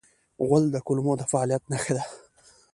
غول د کولمو د فعالیت نښه ده.